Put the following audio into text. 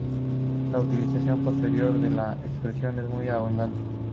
La utilización posterior de la expresión es muy abundante.